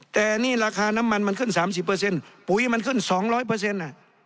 แต่นี่ราคาน้ำมันมันขึ้น๓๐เปอร์เซ็นต์ปุ๋ยมันขึ้น๒๐๐เปอร์เซ็นต์